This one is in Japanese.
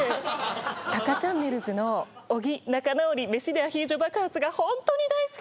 『貴ちゃんねるず』の「小木仲直り飯でアヒージョ爆発」がホントに大好きで。